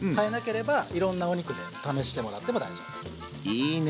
いいね